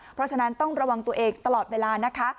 เพราะฉะนั้นต้องระวังตัวเองตลอดเวลานะคะ